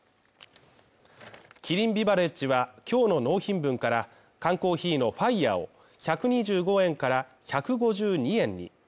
キリンビバレッジは、今日の納品分から、缶コーヒーのファイアを１２５円から１５２円に。